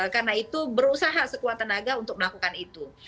karena itu berusaha sekuat tenaga untuk melakukan itu